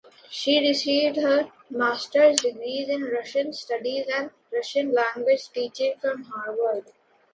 She received her master’s degrees in Russian studies and Russian language teaching from Harvard.